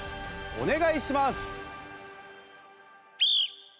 お願いします。